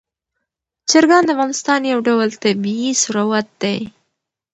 چرګان د افغانستان یو ډول طبعي ثروت دی.